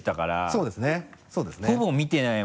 そうですね。